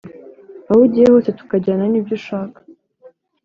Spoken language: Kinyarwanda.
aho ugiye hose tukajyana nibyo shaka